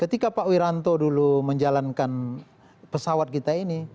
ketika pak wiranto dulu menjalankan pesawat kita ini